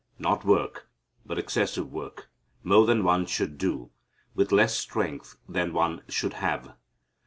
Not work, but excessive work, more than one should do, with less strength than one should have.